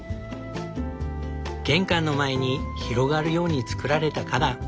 玄関の前に広がるように造られた花壇。